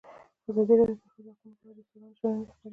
ازادي راډیو د د ښځو حقونه په اړه د استادانو شننې خپرې کړي.